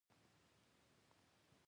ما دوه رکعته نفل په کې وکړل.